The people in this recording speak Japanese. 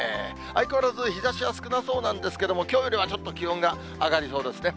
相変わらず日ざしは少なそうなんですけれども、きょうよりはちょっと気温が上がりそうですね。